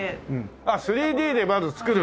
あっ３Ｄでまず作る。